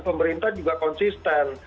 pemerintah juga konsisten